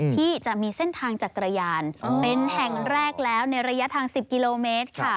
ที่จะมีเส้นทางจักรยานเป็นแห่งแรกแล้วในระยะทาง๑๐กิโลเมตรค่ะ